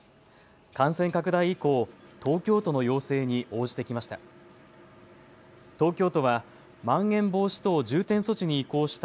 感染拡大以降、東京都の要請に応じてきました。